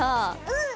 うん。